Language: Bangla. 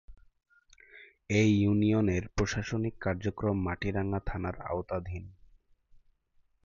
এ ইউনিয়নের প্রশাসনিক কার্যক্রম মাটিরাঙ্গা থানার আওতাধীন।